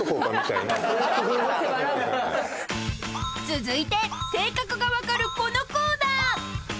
［続いて性格が分かるこのコーナー］